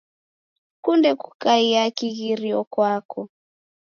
Sikunde kukaia kighirio kwako.